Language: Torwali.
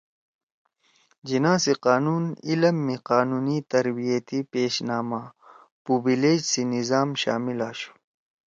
جناح سی قانونی علم می قانونی تربیتی پیش نامہ (Pupillage) سی نظام شامل آشُو